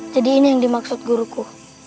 jadi ini yang dimaksud guruku